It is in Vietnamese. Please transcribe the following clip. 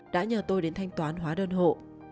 đã nhờ tôi đến thanh toán hóa đơn hộ